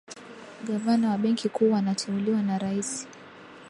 gavana wa benki kuu anateuliwa na raisi